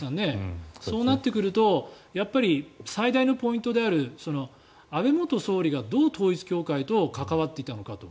そうなってくると最大のポイントである安倍元総理が、どう統一教会と関わっていたのかと。